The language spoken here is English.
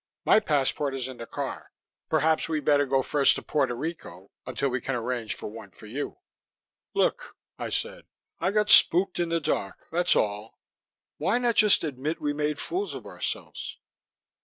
My passport is in the car; perhaps we'd better go first to Puerto Rico, until we can arrange for one for you." "Look," I said. "I got spooked in the dark, that's all. Why not just admit we made fools of ourselves?"